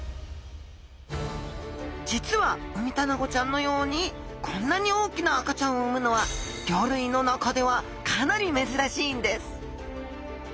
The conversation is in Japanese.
実はウミタナゴちゃんのようにこんなに大きな赤ちゃんを産むのは魚類の中ではかなり珍しいんです。